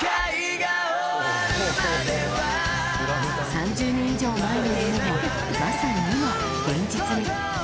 ３０年以上前の夢がまさに今、現実に。